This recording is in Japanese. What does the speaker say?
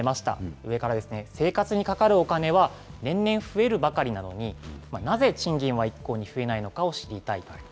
上からですね、生活にかかるお金は年々増えるばかりなのに、なぜ賃金は一向に増えないのかを知りたい。